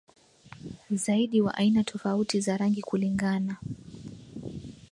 zaidi wa aina tofauti za rangi kulingana